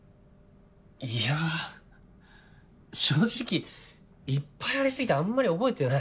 いや正直いっぱいあり過ぎてあんまり覚えてない。